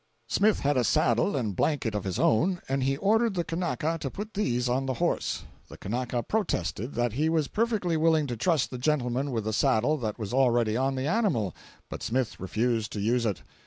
Smith had a saddle and blanket of his own, and he ordered the Kanaka to put these on the horse. The Kanaka protested that he was perfectly willing to trust the gentleman with the saddle that was already on the animal, but Smith refused to use it.